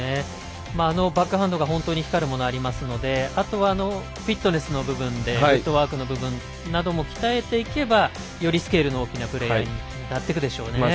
バックハンドが本当に光るものがありますのであとはフィットネスの部分でフットワークの部分なども鍛えていけばよりスケールの大きなプレーヤーなっていくでしょうね。